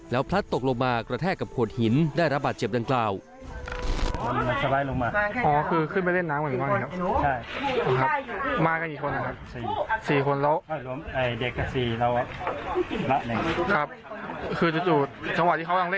แล้วพลัดตกลงมากระแทกกับโขดหินได้รับบาดเจ็บดังกล่าว